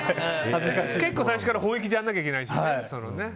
結構最初から本気でやらなきゃいけないしね。